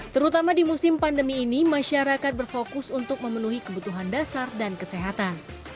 terutama di musim pandemi ini masyarakat berfokus untuk memenuhi kebutuhan dasar dan kesehatan